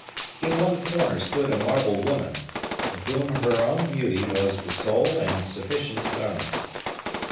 In one corner stood a marble woman, to whom her own beauty was the sole and sufficient garment.